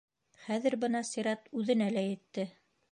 Хәҙер бына сират үҙенә лә етте.